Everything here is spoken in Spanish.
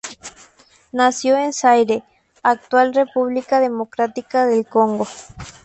Nació en Zaire, actual República Democrática del Congo.